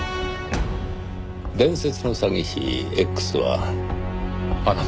伝説の詐欺師Ｘはあなたですね？